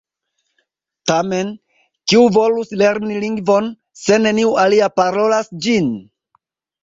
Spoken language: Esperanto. Tamen, kiu volus lerni lingvon, se neniu alia parolas ĝin?